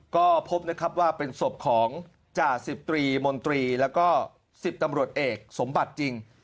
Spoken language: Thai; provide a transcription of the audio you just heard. ก็พบนะครับว่าเป็นศพของจ่าสิบตรีมนตรีแล้วก็๑๐ตำรวจเอกสมบัติจริง